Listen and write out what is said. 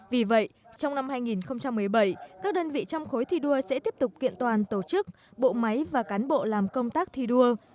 vì vậy trong năm hai nghìn một mươi bảy các đơn vị trong khối thi đua sẽ tiếp tục kiện toàn tổ chức bộ máy và cán bộ làm công tác thi đua